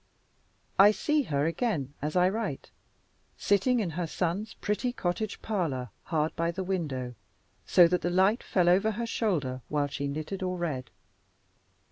I see her again, as I write, sitting in her son's pretty cottage parlor, hard by the window, so that the light fell over her shoulder while she knitted or read.